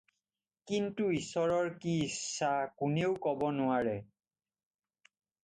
কিন্তু ঈশ্বৰৰ কি ইচ্ছা কোনেও ক'ব নোৱাৰে।